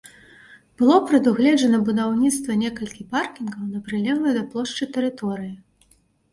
Было прадугледжана будаўніцтва некалькіх паркінгаў на прылеглай да плошчы тэрыторыі.